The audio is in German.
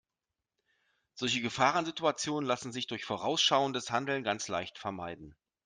Solche Gefahrensituationen lassen sich durch vorausschauendes Handeln ganz leicht vermeiden.